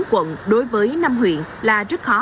quận đối với năm huyện là rất khó